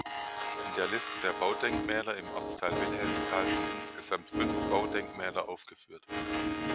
In der Liste der Baudenkmäler im Ortsteil Wilhelmsthal sind insgesamt fünf Baudenkmäler aufgeführt.